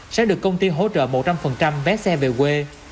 sẽ được công ty hỗ trợ một trăm linh vé xe về quê